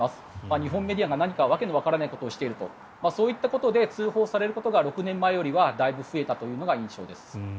日本メディアが何か訳のわからないことをしているとそういったことで通報されることが６年前よりはだいぶ増えたというのが印象です。